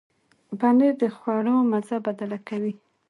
پنېر د خواړو مزه بدله کوي.